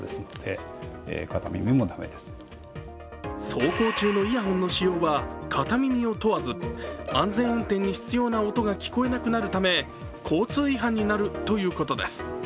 走行中のイヤホンの使用は片耳を問わず安全運転に必要な音が聞こえなくなるため交通違反になるということです。